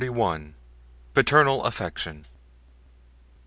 Paternal Affection.